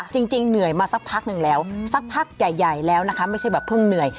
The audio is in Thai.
จริงเหนื่อยมาสักพักหนึ่งแล้วสักพักใหญ่แล้วนะคะไม่ใช่แบบเพิ่งเหนื่อย